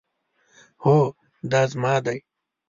هو، دا زما دی